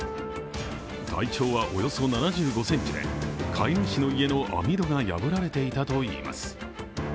体長はおよそ７５ｃｍで飼い主の家の網戸が破られていたといいます。